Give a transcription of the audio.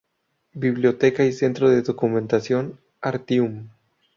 Biblioteca y Centro de Documentación Artium.